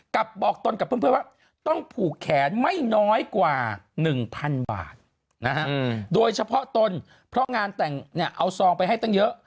กลับบอกตนกับเพื่อนว่าต้องผูกแขนไม่น้อยกว่า๑๐๐๐บาทนะฮะโดยเฉพาะตนเพราะงานแต่งเนี่ยเอาซองไปให้ตั้งเยอะ